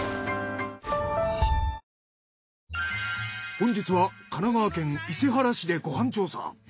本日は神奈川県伊勢原市でご飯調査。